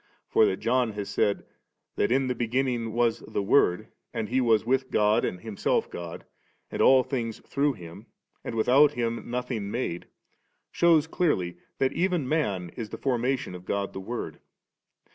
For that John has said, that in the beginning was the Word, and He with God and Himself God, and all things through Him, and without Him nothing made, shews clearly that even man is the formation of God the Word.